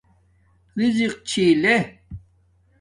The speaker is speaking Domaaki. رزِق چھی لے